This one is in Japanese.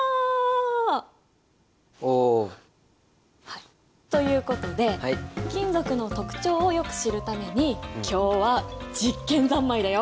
はいということで金属の特徴をよく知るために今日は実験三昧だよ！